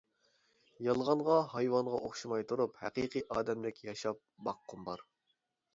يالغانغا، ھايۋانغا ئوخشىماي تۇرۇپ ھەقىقىي ئادەمدەك ياشاپ باققۇم بار.